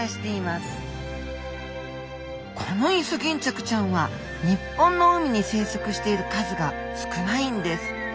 このイソギンチャクちゃんは日本の海に生息している数が少ないんです。